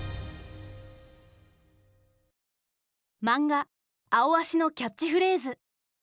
マンガ「アオアシ」のキャッチフレーズ。